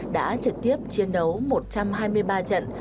đã trực tiếp chiến đấu một trăm hai mươi ba trận